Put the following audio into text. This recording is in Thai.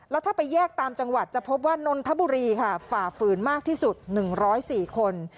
แล้วถ้าไปแยกตามจังหวัดจะพบว่านนทบุรีค่ะฝ่าฝืนมากที่สุด๑๐๔คน